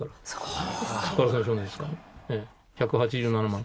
１８７万。